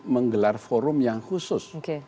menggelar forum yang khusus